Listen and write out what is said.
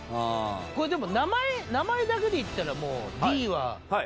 これでも名前名前だけでいったらもう。